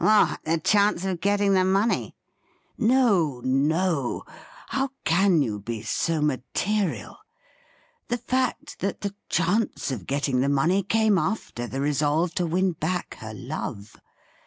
' What, the chance of getting the money i" ' No, no ! how can you be so material ? The fact that the chance of getting the money came after the resolve to win back her love.